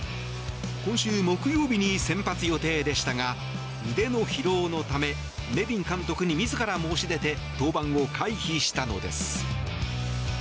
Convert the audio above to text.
今週木曜日に先発予定でしたが腕の疲労のためネビン監督に自ら申し出て登板を回避したのです。